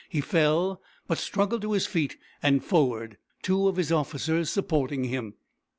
He fell, but struggled to his feet and forward, two of his officers supporting him.